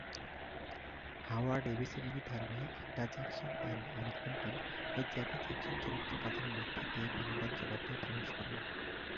Howard এবিসির mini ধারাবাহিক "the Jackson: an American ড্রিম"-এ জ্যাকি জ্যাকসন চরিত্রে কাজের মধ্য দিয়ে বিনোদন জগতে প্রবেশ করেন।